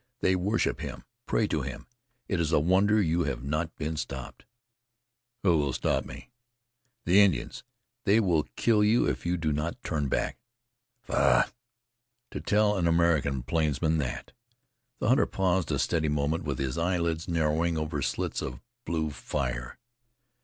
They worship him, pray to him. It is a wonder you have not been stopped." "Who'll stop me?" "The Indians. They will kill you if you do not turn back." "Faugh! to tell an American plainsman that!" The hunter paused a steady moment, with his eyelids narrowing over slits of blue fire.